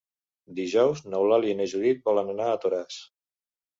Dijous n'Eulàlia i na Judit volen anar a Toràs.